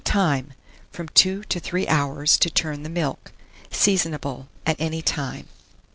Time. From 2 to 3 hours to turn the milk. Seasonable at any time.